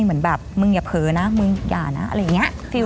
เหมือนแบบมึงอย่าเผลอนะมึงอย่านะอะไรอย่างนี้